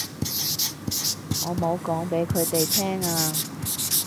我冇講畀佢哋聽啊